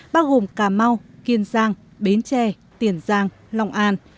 bao gồm cà mau kiên giang bến tre tiền giang lòng an